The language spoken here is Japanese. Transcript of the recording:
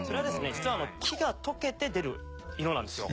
実は木が溶けて出る色なんですよ